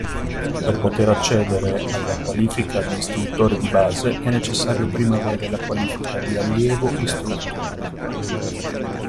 Per poter accedere alla qualifica di Istruttore di base è necessario prima avere la qualifica di Allievo istruttore.